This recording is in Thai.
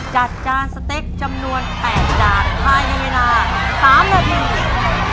จัดจ้านสเต็กจำนวน๘จากค่ายเมรินา๓นาที